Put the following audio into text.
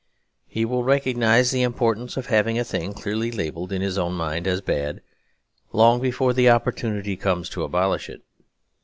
He will recognise the importance of having a thing clearly labelled in his own mind as bad, long before the opportunity comes to abolish it.